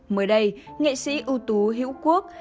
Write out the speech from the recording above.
mới đây nghệ sĩ ưu tú hữu quốc